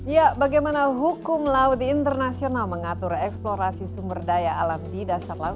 ya bagaimana hukum laut internasional mengatur eksplorasi sumber daya alam di dasar laut